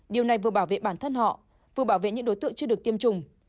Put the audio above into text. điều này vừa bảo vệ bản thân họ vừa bảo vệ những đối tượng chưa được tiêm chủng